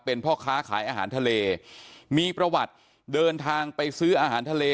เป็นพ่อค้าขายอาหารทะเลมีประวัติเดินทางไปซื้ออาหารทะเล